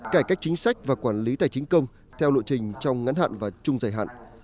cải cách chính sách và quản lý tài chính công theo lộ trình trong ngắn hạn và trung dài hạn